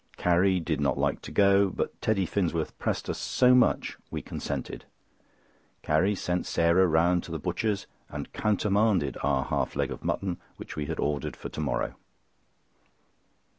Carrie did not like to go; but Teddy Finsworth pressed us so much we consented. Carrie sent Sarah round to the butcher's and countermanded our half leg of mutton, which we had ordered for to morrow.